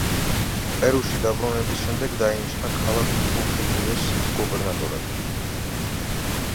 პერუში დაბრუნების შემდეგ დაინიშნა ქალაქ ტრუხილიოს გუბერნატორად.